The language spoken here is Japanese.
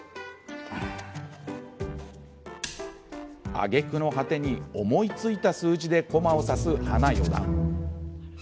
あげくの果てに思いついた数字で駒を指す花四段。